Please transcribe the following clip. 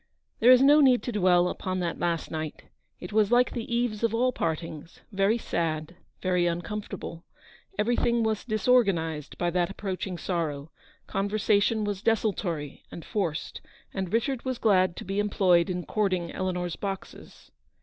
There is no need to dwell upon that last night. It was like the eves of all partings, very sad, very uncomfortable. Everything was disorganised by that approaching sorrow. Conversation was desultory and forced, and Richard was glad to be employed in cording Eleanor's boxes.